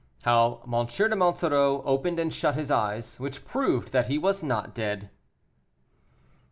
HOW M. DE MONSOREAU OPENED AND SHUT HIS EYES, WHICH PROVED THAT HE WAS NOT DEAD.